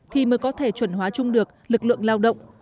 thì mới có thể chuẩn hóa chung được lực lượng lao động